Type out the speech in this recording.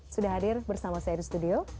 sudah hadir bersama saya di studio